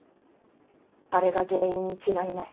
「あれが原因に違いない」。